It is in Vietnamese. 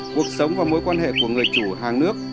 cuộc sống và mối quan hệ của người chủ hàng nước